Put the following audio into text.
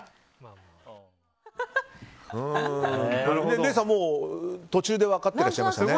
礼さん、途中で分かってらっしゃいましたね。